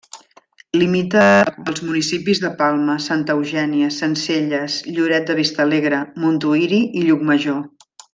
Limita amb els municipis de Palma, Santa Eugènia, Sencelles, Lloret de Vistalegre, Montuïri i Llucmajor.